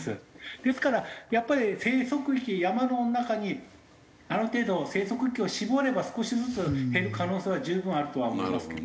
ですからやっぱり生息域山の中にある程度生息域を絞れば少しずつ減る可能性は十分あるとは思いますけど。